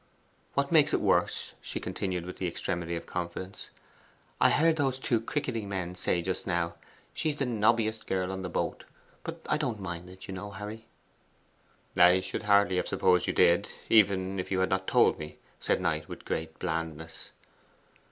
What makes it worse,' she continued in the extremity of confidence, 'I heard those two cricketing men say just now, "She's the nobbiest girl on the boat." But I don't mind it, you know, Harry.' 'I should hardly have supposed you did, even if you had not told me,' said Knight with great blandness.